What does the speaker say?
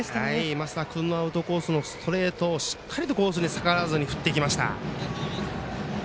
升田君のアウトコースのストレートをしっかりとコースに逆らわず振っていきました。